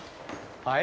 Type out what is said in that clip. はい？